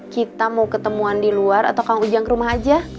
kita mau ketemuan di luar atau kang ujang ke rumah aja